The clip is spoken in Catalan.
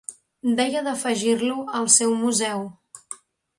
Deia d'afegir-lo al seu museu.